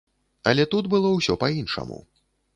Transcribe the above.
Але тут было ўсё па-іншаму.